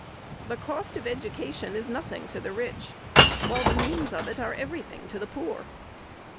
The cost of education is nothing to the rich, while the means of it are every thing to the poor.